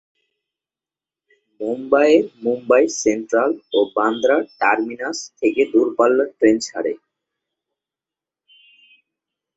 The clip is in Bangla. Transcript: মুম্বাইয়ের মুম্বাই সেন্ট্রাল ও বান্দ্রা টার্মিনাস থেকে দূরপাল্লার ট্রেন ছাড়ে।